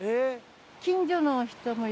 近所の人も？